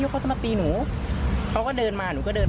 แล้วก็แยกย้ายกันไปเธอก็เลยมาแจ้งความ